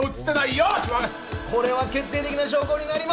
よしこれは決定的な証拠になりますよ